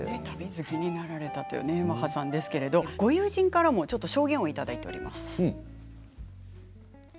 旅好きになられたというマハさんですけれどご友人からもちょっと証言を頂いております。